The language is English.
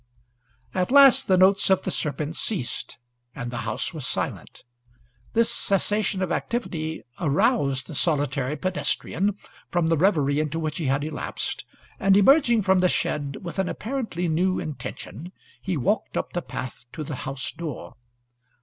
At last the notes of the serpent ceased and the house was silent. This cessation of activity aroused the solitary pedestrian from the reverie into which he had lapsed, and, emerging from the shed, with an apparently new intention, he walked up the path to the house door.